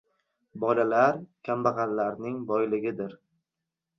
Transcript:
• Bolalar ― kambag‘allarning boyligidir.